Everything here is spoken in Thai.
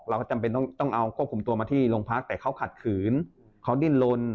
เราก็จำเป็นต้องเอาควบคุมตัวมาที่โรงพักแต่เขาขัดขืนเขาดิ้นลน